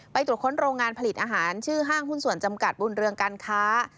ตรวจค้นโรงงานผลิตอาหารชื่อห้างหุ้นส่วนจำกัดบุญเรืองการค้า